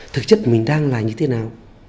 thực chất mình đang là như thế nào